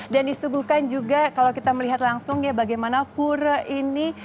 dan disuguhkan juga kalau kita melihat langsung ya bagaimana pura ini